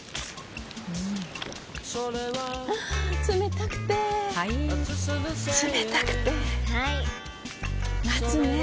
あ冷たくてはい冷たくてはい夏ねえ